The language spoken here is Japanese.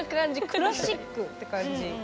クラシックって感じ。